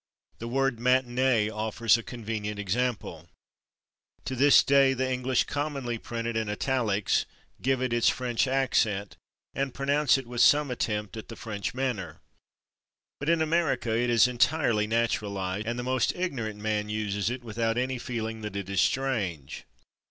The word /matinée/ offers a convenient example. To this day the English commonly print it in italics, give it its French accent, and pronounce it with some attempt at the French manner. But in America it is entirely naturalized, and the most ignorant man [Pg154] uses it without any feeling that it is strange.